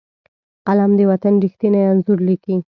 قلم د وطن ریښتیني انځور لیکي